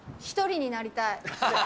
１人になりたい。